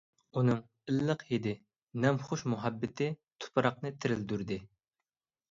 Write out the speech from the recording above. ئۇنىڭ ئىللىق ھىدى، نەمخۇش مۇھەببىتى تۇپراقنى تىرىلدۈردى.